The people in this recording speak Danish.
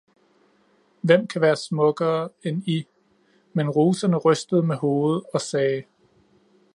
Hvem kan være smukkere, end I, men roserne rystede med hovedet og sagde.